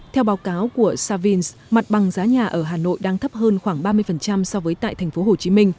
theo báo cáo của savins mặt bằng giá nhà ở hà nội đang thấp hơn khoảng ba mươi so với tại tp hcm